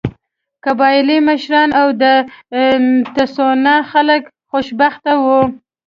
قبایلي مشران او د تسوانا خلک خوشبخته وو.